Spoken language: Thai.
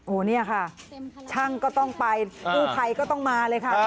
โอ้โหเนี่ยค่ะช่างก็ต้องไปกู้ภัยก็ต้องมาเลยค่ะ